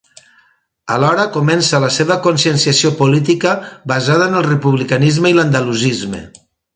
Alhora comença la seva conscienciació política basada en el republicanisme i l'andalusisme.